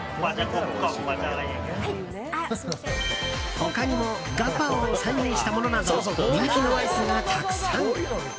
他にもガパオを再現したものなど人気のアイスがたくさん。